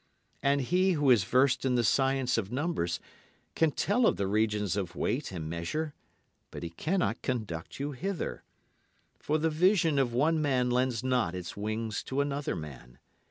And he who is versed in the science of numbers can tell of the regions of weight and measure, but he cannot conduct you thither. For the vision of one man lends not its wings to another man.